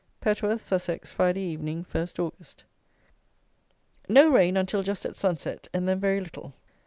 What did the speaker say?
Petworth (Sussex), Friday Evening, 1 Aug. No rain, until just at sunset, and then very little.